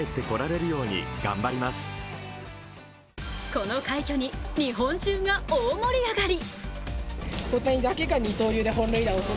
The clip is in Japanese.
この快挙に日本中が大盛り上がり。